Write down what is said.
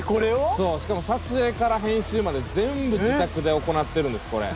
しかも撮影から編集まで全部自宅で行ってるんですこれ。